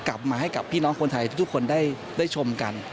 กลับมาให้กับพี่น้องคนไทยทุกคนได้ชมกัน